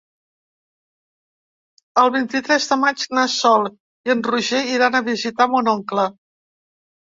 El vint-i-tres de maig na Sol i en Roger iran a visitar mon oncle.